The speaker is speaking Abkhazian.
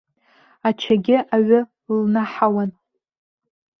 Ачагьы аҩы лнаҳауан.